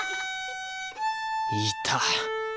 いた！